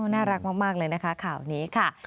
น่ารักมากเลยนะคะข่าวนี้ค่ะ